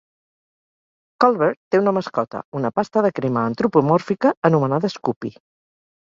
Culver té una mascota: una pasta de crema antropomòrfica anomenada Scoopie.